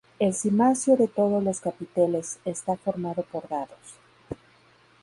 El cimacio de todos los capiteles está formado por dados.